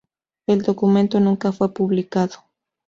El documento nunca fue publicado.